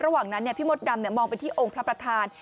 ระหว่างนั้นพี่มดดำมองไปที่องค์พระประธาน